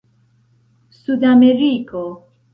sudameriko